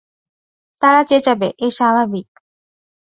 তারা চেঁচাবে, এ স্বাভাবিক।